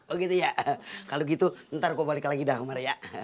oh gitu ya kalo gitu ntar gua balik lagi dah ke rumah ya